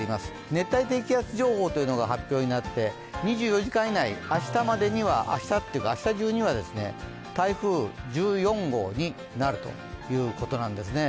熱帯低気圧情報というのが発表になって、２４時間以内、明日中には台風１４号になるということなんですね。